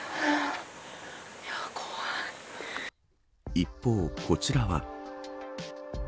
一方、こちらは。